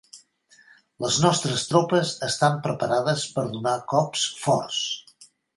Les nostres tropes estan preparades per donar cops forts.